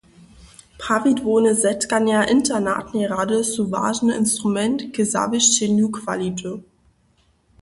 Prawidłowne zetkanja internatneje rady su wažny instrument k zawěsćenju kwality.